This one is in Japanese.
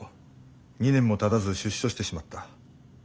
２年もたたず出所してしまった。